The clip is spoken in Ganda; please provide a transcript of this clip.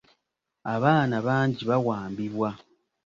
Abaana bangi baawambibwa.